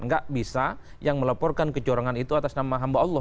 nggak bisa yang melaporkan kecurangan itu atas nama hamba allah